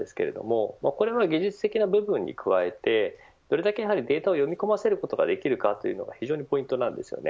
これの技術的な部分に加えてどれだけデータを読み込ませることができるのかというところが非常にポイントです。